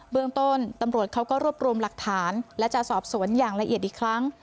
เมืองต้นตำรวจเขาก็รวบรวมหลักฐานและจะสอบสวนอย่างละเอียดอีกครั้ง